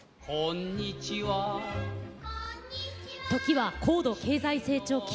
時は高度経済成長期。